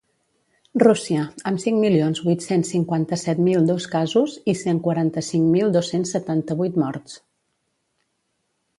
Rússia, amb cinc milions vuit-cents cinquanta-set mil dos casos i cent quaranta-cinc mil dos-cents setanta-vuit morts.